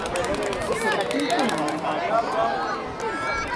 I sobre quin tema no cal parlar?